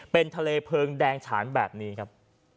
เป็นทะเลเพลิงแดงฉานแบบนี้ครับ